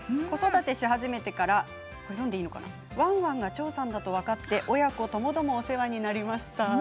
子育てし始めてからワンワンがチョーさんだと分かって親子ともどもお世話になりました。